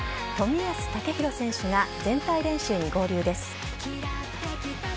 冨安健洋選手が全体練習に合流です。